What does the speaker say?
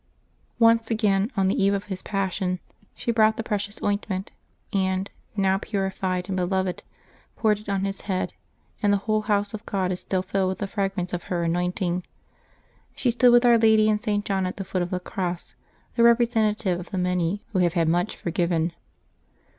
Once again, on the eve of His Passion, she brought the precious ointment, and, now purified and be loved, poured it on His head, and the whole house of God is still filled with the fragrance of her anointing. She stood with Our Lady and St. John at the foot of the cross, the representative of the many who have had much for given.